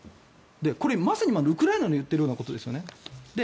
これ、まさに今、ウクライナの言っているようなことですよね。